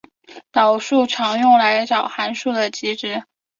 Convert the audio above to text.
导数常用来找函数的极值。